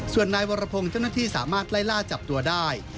ส่วนนายวรพงศ์เจ้าหน้าที่สามารถไล่ล่าจับตัวได้